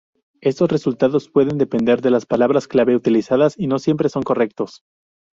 Estos resultados pueden depender de las palabras clave utilizadas y no siempre son correctos.